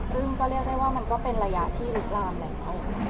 ซึ่งก็เรียกได้ว่ามันก็เป็นระยะที่ลุกลามแล้ว